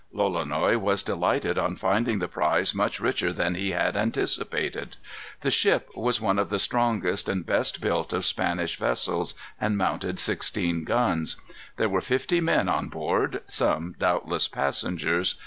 Lolonois was delighted on finding the prize much richer than he had anticipated. The ship was one of the strongest and best built of Spanish vessels, and mounted sixteen guns. There were fifty men on board, some doubtless passengers.